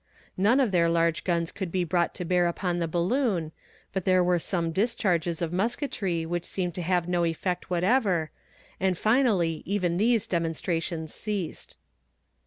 None of their large guns could be brought to bear upon the balloon, but there were some discharges of musketry, which seemed to have no effect whatever, and finally even these demonstrations ceased.